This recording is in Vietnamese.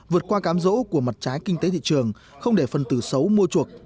vượt qua cám dỗ của mặt trái kinh tế thị trường không để phân tử xấu mua chuộc